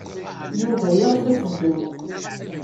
Yuba yeɣs ad teddum.